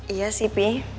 iya sih pi